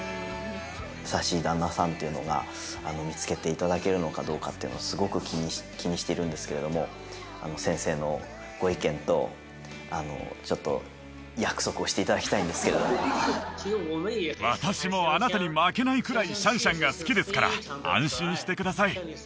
優しい旦那さんっていうのが見つけていただけるのかどうかっていうのをすごく気にしているんですけれども先生のご意見とちょっと約束をしていただきたいんですけど私もあなたに負けないくらいシャンシャンが好きですから安心してください